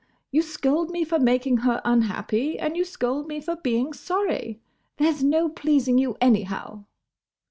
—You scold me for making her unhappy, and you scold me for being sorry. There 's no pleasing you anyhow!"